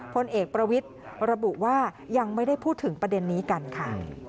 พลเอกประวิทย์ระบุว่ายังไม่ได้พูดถึงประเด็นนี้กันค่ะ